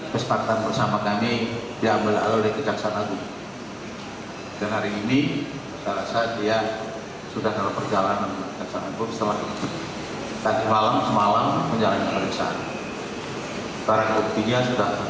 kesepakatan bersama kami diambil alih oleh kejaksaan agung